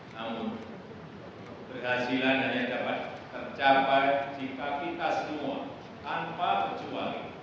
namun keberhasilan hanya dapat tercapai jika kita semua tanpa berjuang